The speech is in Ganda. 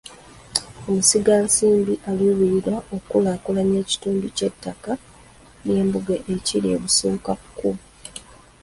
Musigansimbi aluubirira okukulaakulanya ekitundu ky’ettaka ly’embuga ekiri ebusukka kkubo.